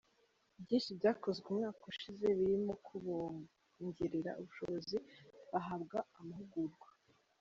Byinshi byakozwe umwaka ushize birimo kubongerera ubushobozi bahabwa amahugurwa.